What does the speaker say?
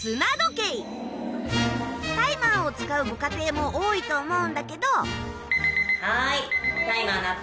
タイマーを使うご家庭も多いと思うんだけど。